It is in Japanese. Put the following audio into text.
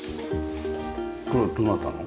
これどなたの？